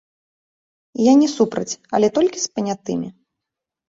Я не супраць, але толькі з панятымі.